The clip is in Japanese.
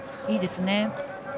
いいですね。